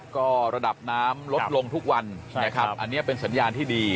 ก็ระดับน้ำลดลงทุกวันนะครับอันนี้เป็นสัญญาณที่ดี